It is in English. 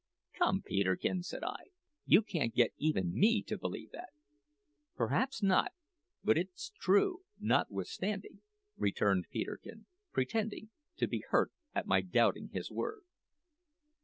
"Come, Peterkin," said I, "you can't get even me to believe that." "Perhaps not, but it's true notwithstanding," returned Peterkin, pretending to be hurt at my doubting his word.